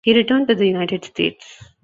He returned to the United States.